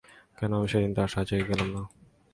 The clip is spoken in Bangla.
কেন আমি সেদিন তার সাহায্যে এগিয়ে গেলাম না।